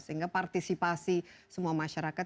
sehingga partisipasi semua masyarakat